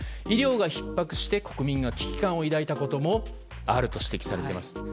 医療がひっ迫して国民が危機感を抱いたこともあると指摘されています。